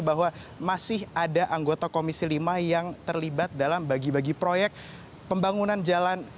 bahwa masih ada anggota komisi lima yang terlibat dalam bagi bagi proyek pembangunan jalan